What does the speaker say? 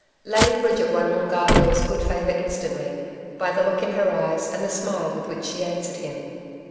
Lady Bridget won Moongarr Bill's good favour instantly by the look in her eyes and the smile with which she answered him.